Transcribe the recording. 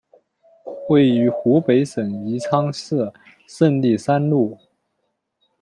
位于湖北省宜昌市胜利三路。